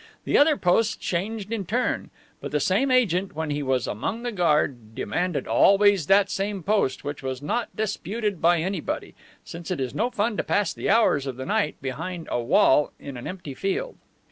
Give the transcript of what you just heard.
The other posts changed in turn, but the same agent, when he was among the guard, demanded always that same post, which was not disputed by anybody, since it is no fun to pass the hours of the night behind a wall, in an empty field.